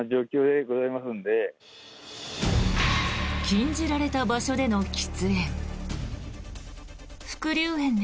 禁じられた場所での喫煙。